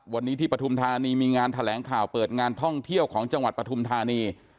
วันนี้ที่ปฐุมธานีมีงานแถลงข่าวเปิดงานท่องเที่ยวของจังหวัดปฐุมธานี